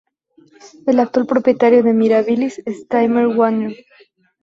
El actual propietario de Mirabilis es Time Warner.